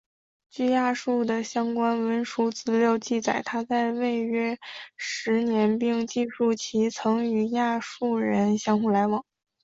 据亚述的相关文书资料记载他在位约十年并记述其曾与亚述人相互往来。